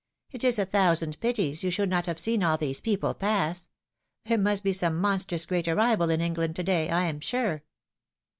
It is a thousand pities you should not have seen all these people pass. There must be some monstrous great arrival in England, to day, I'am sure."